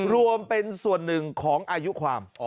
รวมเป็นส่วนหนึ่งของอายุความ